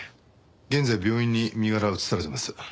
現在病院に身柄が移されてます。